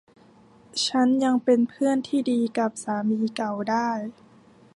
ฉันยังเป็นเพื่อนที่ดีกับสามีเก่าได้